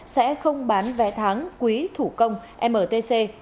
sẽ không bán vé tháng quý thủ công mtc